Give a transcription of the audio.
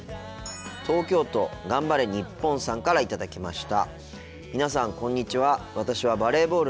東京都がんばれニッポンさんから頂きました。